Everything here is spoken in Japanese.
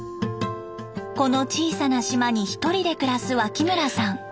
この小さな島に１人で暮らす脇村さん。